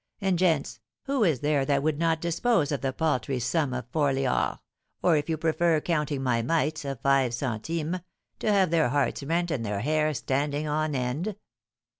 And, gents, who is there that would not dispose of the paltry sum of four liards or, if you prefer counting my mites, of five centimes to have their hearts rent and their hair standing on end?"